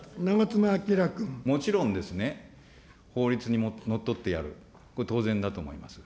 もちろんですね、法律にのっとってやる、これ、当然だと思います。